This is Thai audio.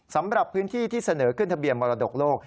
สำหรับพื้นที่ที่เสนอขึ้นทะเบียนมรดกโลก